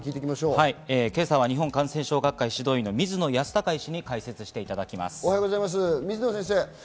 今朝は日本感染症学会・指導医、水野泰孝医師に解説していただきます。